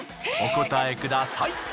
お答えください。